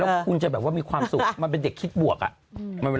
แล้วคุณจะแบบว่ามีความสุขมันเป็นเด็กคิดบวกอ่ะ